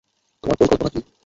তোমার পরিকল্পনা কি?